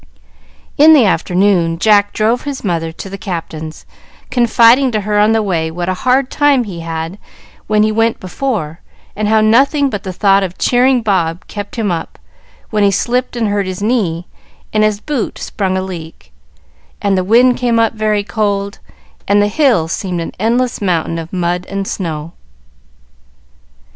In the afternoon Jack drove his mother to the Captain's, confiding to her on the way what a hard time he had when he went before, and how nothing but the thought of cheering Bob kept him up when he slipped and hurt his knee, and his boot sprung a leak, and the wind came up very cold, and the hill seemed an endless mountain of mud and snow.